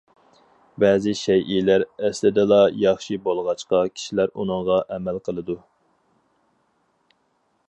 بەزى شەيئىلەر ئەسلىدىلا ياخشى بولغاچقا كىشىلەر ئۇنىڭغا ئەمەل قىلىدۇ.